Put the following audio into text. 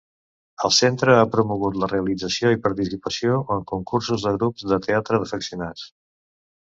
El Centre ha promogut la realització i participació en concursos de grups de teatre d'afeccionats.